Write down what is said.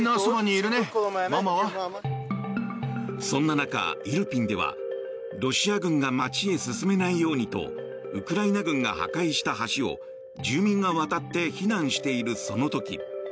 そんな中、イルピンではロシア軍が街へ進めないようにとウクライナ軍が破壊した橋を住民が渡って避難しているその時